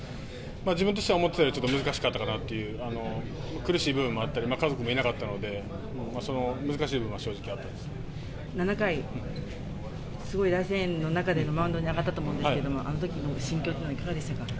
自分としては思ってたよりちょっと難しかったかなと、苦しい部分もあったり、家族もいなかったので、その難しい部分は正直ありま７回、すごい大声援の中でマウンドに上がったと思うんですけど、あのときの心境というのはいかがでしたか？